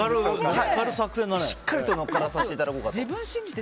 しっかりと乗っからせていただこうかと。